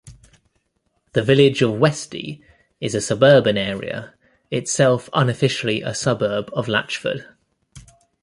The village of Westy is a suburban area, itself unofficially a suburb of Latchford.